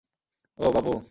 ওহ, বাবু।